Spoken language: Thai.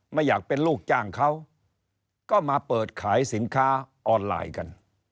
ไม่อยากเป็นลูกจ้างเขาก็มาเปิดขายสินค้าออนไลน์กัน